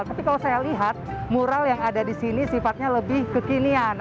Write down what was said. tapi kalau saya lihat mural yang ada di sini sifatnya lebih kekinian